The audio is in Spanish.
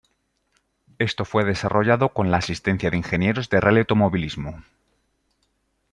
Esto fue desarrollado con la asistencia de ingenieros de rally automovilismo.